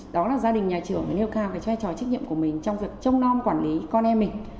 đó là gia đình nhà trường phải nêu cao cái vai trò trách nhiệm của mình trong việc trông non quản lý con em mình